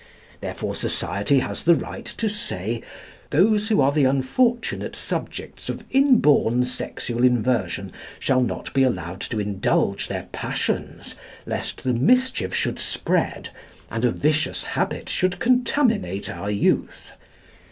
Therefore society has the right to say: Those who are the unfortunate subjects of inborn sexual inversion shall not be allowed to indulge their passions, lest the mischief should spread, and a vicious habit should contaminate our youth.